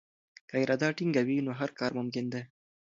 که اراده ټینګه وي نو هر کار ممکن دی.